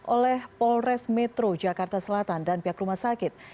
oleh polres metro jakarta selatan dan pihak rumah sakit